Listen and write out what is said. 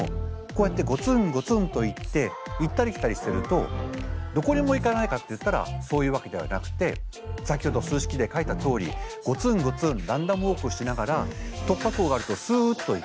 こうやってゴツンゴツンといって行ったり来たりしてるとどこにも行かないかっていったらそういうわけではなくて先ほど数式で書いたとおりゴツンゴツンランダムウォークしながら突破口があるとすっと行く。